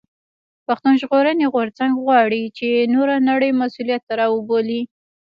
پښتون ژغورني غورځنګ غواړي چې نوره نړۍ مسؤليت ته راوبولي.